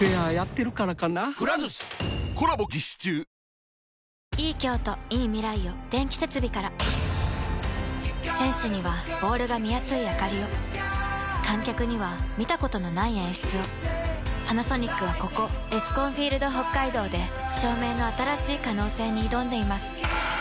「ＡＨＡＨうまく言えないけれど」「セグレタ」選手にはボールが見やすいあかりを観客には見たことのない演出をパナソニックはここエスコンフィールドＨＯＫＫＡＩＤＯで照明の新しい可能性に挑んでいます